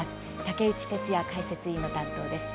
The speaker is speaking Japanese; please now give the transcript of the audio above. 竹内哲哉解説委員の担当です。